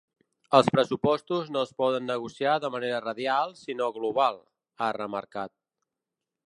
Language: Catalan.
“Els pressupostos no es poden negociar de manera radial, sinó global”, ha remarcat.